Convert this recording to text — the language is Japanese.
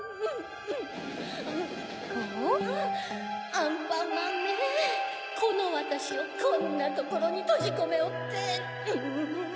・アンパンマンめこのわたしをこんなところにどじこめおって！